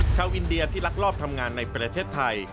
ชาวอินเดียที่ลักลอบทำงานในประเทศไทย